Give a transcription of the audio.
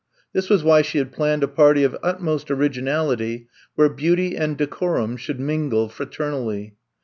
This was why she had planned a party of utmost originality where beauty and decorum should mingle fraternally.